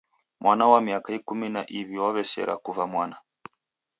Mwana wa miaka ikumi na iw'i waw'esera kuva mwana!